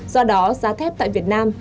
do đó giá thép tại việt nam